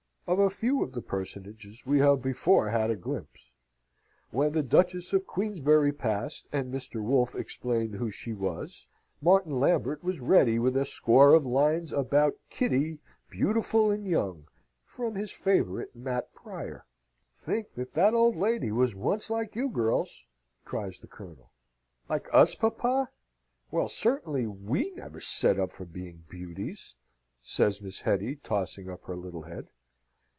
Of a few of the personages we have before had a glimpse. When the Duchess of Queensberry passed, and Mr. Wolfe explained who she was, Martin Lambert was ready with a score of lines about "Kitty, beautiful and young," from his favourite Mat Prior. "Think that that old lady was once like you, girls!" cries the Colonel. "Like us, papa? Well, certainly we never set up for being beauties!" says Miss Hetty, tossing up her little head.